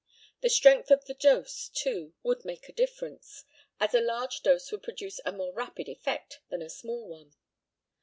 The strength of the dose, too, would make a difference, as a large dose would produce a more rapid effect than a small one.